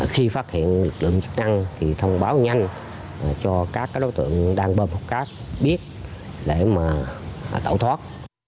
khi phát hiện lực lượng chức năng thì thông báo nhanh cho các đối tượng đang bơm hút cát biết để mà tẩu thoát